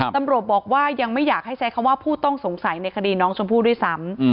ตำรวจบอกว่ายังไม่อยากให้ใช้คำว่าผู้ต้องสงสัยในคดีน้องชมพู่ด้วยซ้ำ